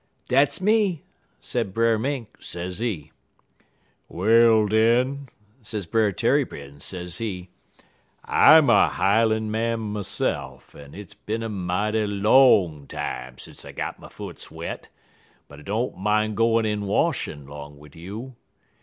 "'Dat's me,' sez Brer Mink, sezee. "'Well, den,' sez Brer Tarrypin, sezee, 'I'm a highlan' man myse'f, en it's bin a mighty long time sence I got my foots wet, but I don't min' goin' in washin' 'long wid you.